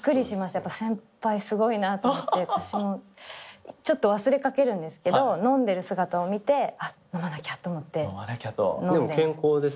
やっぱ先輩すごいなと思って私もちょっと忘れかけるんですけど飲んでる姿を見てあっ飲まなきゃと思って飲まなきゃと飲んでます